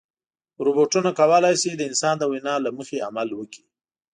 روبوټونه کولی شي د انسان د وینا له مخې عمل وکړي.